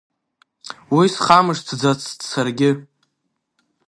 Уи схамышҭӡацт саргьы.